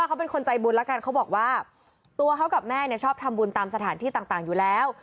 เขาเป็นคนใจบุญแล้วกันเขาบอกว่าตัวเขากับแม่เนี่ยชอบทำบุญตามสถานที่ต่างอยู่แล้ว